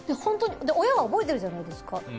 親は覚えてるじゃないですか。